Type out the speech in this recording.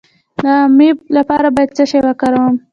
د امیب لپاره باید څه شی وکاروم؟